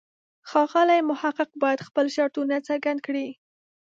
ښاغلی محق باید خپل شرطونه څرګند کړي.